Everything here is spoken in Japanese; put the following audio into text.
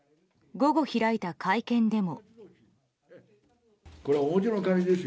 午後開いた会見でも。